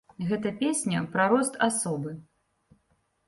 Гэта песня пра рост асобы.